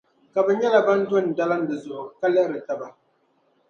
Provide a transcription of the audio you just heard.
Ka bɛ nyɛla ban do n-dalim di zuɣu ka lihiri taba.